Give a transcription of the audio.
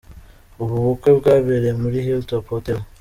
Ubu bukwe bwabereye muri Hill Top Hotel.